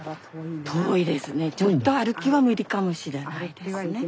ちょっと歩きは無理かもしれないですね。